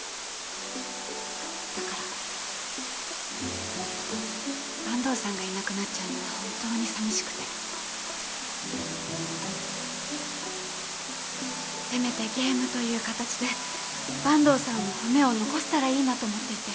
だから坂東さんがいなくなっちゃうのは本当にさみしくてせめてゲームという形で坂東さんの褒めを残せたらいいなと思っていて。